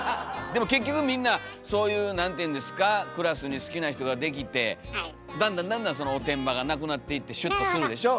でも結局みんなそういうクラスに好きな人ができてだんだんだんだんそのおてんばがなくなっていってシュッとするでしょ。